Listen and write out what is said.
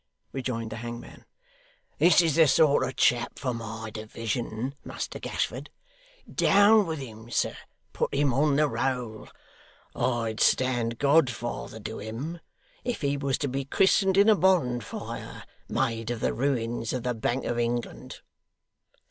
rejoined the hangman. 'This is the sort of chap for my division, Muster Gashford. Down with him, sir. Put him on the roll. I'd stand godfather to him, if he was to be christened in a bonfire, made of the ruins of the Bank of England.